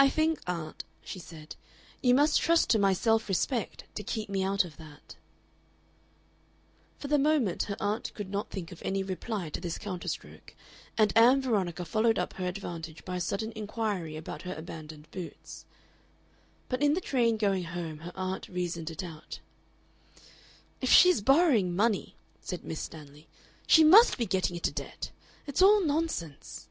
"I think, aunt," she said, "you might trust to my self respect to keep me out of that." For the moment her aunt could not think of any reply to this counterstroke, and Ann Veronica followed up her advantage by a sudden inquiry about her abandoned boots. But in the train going home her aunt reasoned it out. "If she is borrowing money," said Miss Stanley, "she MUST be getting into debt. It's all nonsense...."